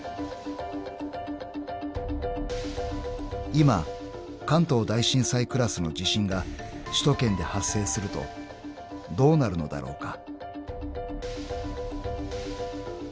［今関東大震災クラスの地震が首都圏で発生するとどうなるのだろうか］